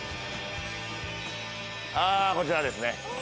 こちらですね